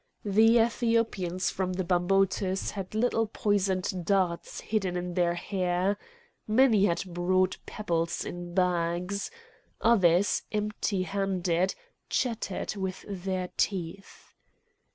The Ethiopians from the Bambotus had little poisoned darts hidden in their hair. Many had brought pebbles in bags. Others, empty handed, chattered with their teeth.